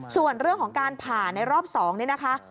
ส่วนเรื่องของการผ่าในรอบ๒นี่นะคะ